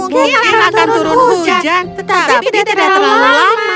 mungkin akan turun hujan tetapi tidak terlalu lama